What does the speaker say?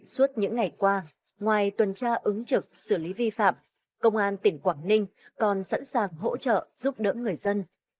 suốt những ngày qua ngoài tuần tra ứng trực xử lý vi phạm công an tỉnh quảng ninh còn sẵn sàng hỗ trợ giúp đỡ người dân